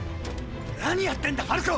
何やってんだファルコ！！